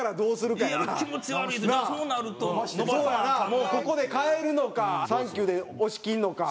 もうここで変えるのか「サンキュ」で押し切るのか。